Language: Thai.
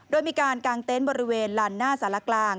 โดยมีการกางเต็นต์บริเวณลานหน้าสารกลาง